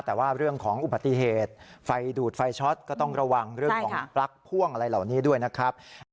แต่ว่าเรื่องของอุบัติเหตุไฟดูดไฟช็อตก็ต้องระวังเรื่องของปลั๊กพ่วงอะไรเหล่านี้ด้วยนะครับ